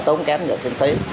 tốn kém những tiền phí